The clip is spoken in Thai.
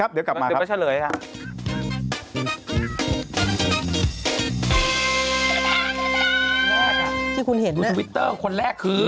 ดูตาวิตเตอร์คือ